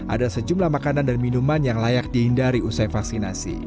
ada sejumlah makanan dan minuman yang layak dihindari usai vaksinasi